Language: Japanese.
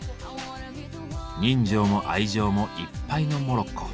人情も愛情もいっぱいのモロッコ。